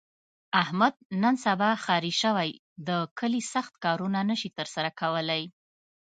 احمد نن سبا ښاري شوی، د کلي سخت کارونه نشي تر سره کولی.